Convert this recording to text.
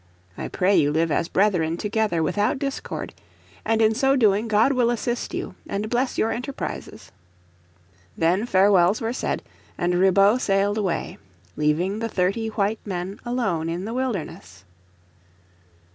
I pray you live as brethren together without discord. And in so doing God will assist you, and bless your enterprises." Then farewells were said, and Ribaut sailed away, leaving the thirty white men alone in the wilderness.